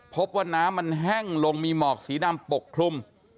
พบว่าน้ำมันแห้งลงมีหมอกสีดำปกคลุม